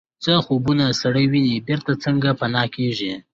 څه خوبونه سړی ویني بیرته څنګه پناه کیږي